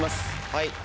はい。